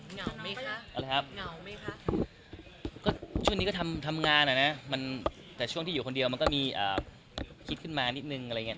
เหงาไหมคะอะไรครับเหงาไหมคะก็ช่วงนี้ก็ทำงานอ่ะนะมันแต่ช่วงที่อยู่คนเดียวมันก็มีคิดขึ้นมานิดนึงอะไรอย่างเงี้